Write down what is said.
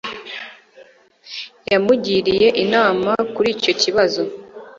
Yamugiriye inama kuri icyo kibazo